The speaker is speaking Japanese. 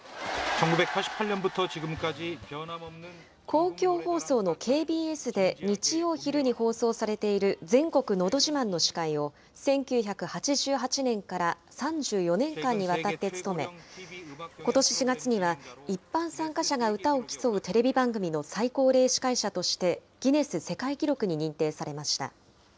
公共放送のＫＢＳで日曜昼に放送されている全国のど自慢の司会を、１９８８年から３４年間にわたって務め、ことし４月には一般参加者が歌を競うテレビ番組の最高齢司会者として、ギネス世界記録に認定されました。